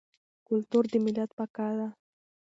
کلتور د ملت بقا ده.